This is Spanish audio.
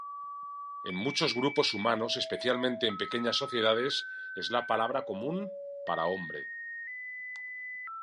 En muchos grupos humanos, especialmente en pequeñas sociedades, es la palabra común para "hombre".